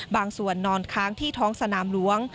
บางส่วนนอนค้างที่ท้องสนามหลวง